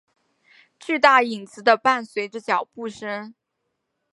巨大影子的伴随着脚步声。